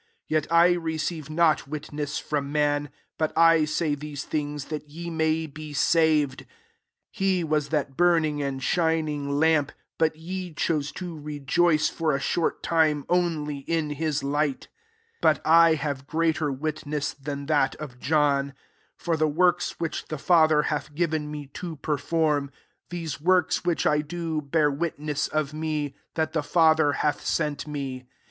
34 Yet I receive not witness from man: but I say these things, that ye may be saved. 35 He was that burning and shining Is^ap; but ye chose to rejoice for a short time only in his light* 36 " But I have greater wit ness than that of John: for the works which the Fath^ hath given me to perform, these works which I do, bear witness of me, that the Father hath sent me.